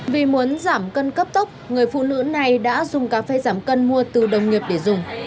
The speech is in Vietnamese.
vì muốn giảm cân cấp tốc người phụ nữ này đã dùng cà phê giảm cân mua từ đồng nghiệp để dùng